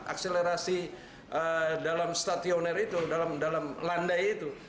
akselerasi dalam stadioner itu dalam landai itu